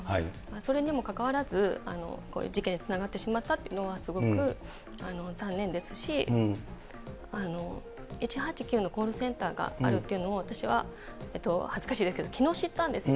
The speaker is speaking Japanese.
それにもかかわらず、こういう事件につながってしまったっていうのは、すごく残念ですし、１８９のコールセンターがあるっていうのも、私は恥ずかしいですけれども、きのう知ったんですよ。